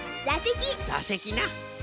ざせきな。